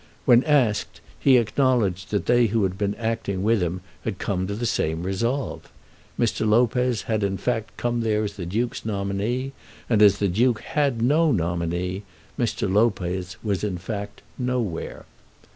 When asked, he acknowledged that they who had been acting with him had come to the same resolve. Mr. Lopez had in fact come there as the Duke's nominee, and as the Duke had no nominee, Mr. Lopez was in fact "nowhere."